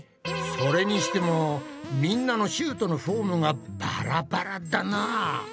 それにしてもみんなのシュートのフォームがバラバラだな。